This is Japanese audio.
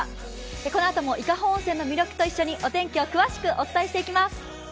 このあとも伊香保温泉の魅力とともにお天気を詳しくお伝えしていきます。